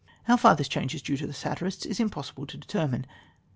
How far this change is due to the satirists it is impossible to determine.